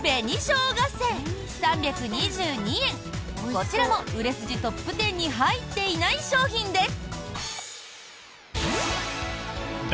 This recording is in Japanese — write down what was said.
こちらも売れ筋トップ１０に入っていない商品です。